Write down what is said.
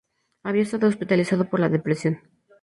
Había estado hospitalizado por depresión.